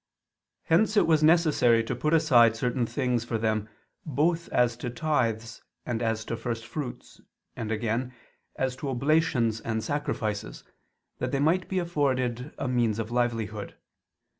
Hence it was necessary to put aside certain things for them both as to tithes and as to first fruits, and, again, as to oblations and sacrifices, that they might be afforded a means of livelihood.